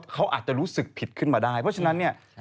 เขาอาจจะรู้สึกผิดขึ้นมาได้เพราะฉะนั้นเนี่ย